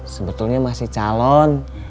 sebetulnya masih calon